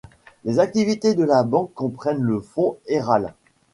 Les activités de la banque comprennent le fonds Herald.